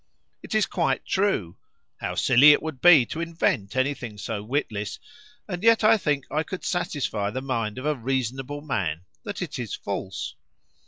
It is quite true (how silly it would be to invent anything so witless!), and yet I think I could satisfy the mind of a "reasonable man" that it is false.